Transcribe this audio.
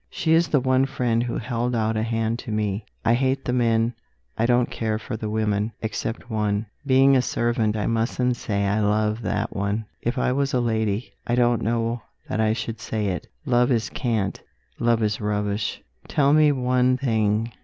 She is the one friend who held out a hand to me. I hate the men; I don't care for the women. Except one. Being a servant I mustn't say I love that one. If I was a lady, I don't know that I should say it. Love is cant; love is rubbish. Tell me one thing.